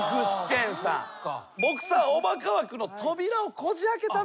ボクサーおバカ枠の扉をこじあけたのが。